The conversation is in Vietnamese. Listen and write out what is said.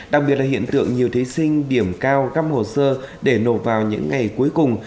đặc biệt là hiện tượng nhiều thí sinh điểm cao các hồ sơ để nộp vào những ngày cuối cùng